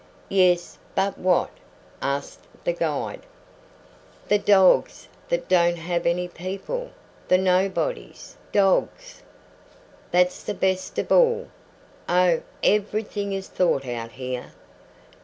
"Yes, but what?" asked the guide. "The dogs that don't have any people the nobodies' dogs?" "That's the best of all. Oh, everything is thought out here.